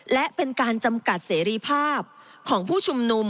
และเป็นการจำกัดเสรีภาพของผู้ชุมนุม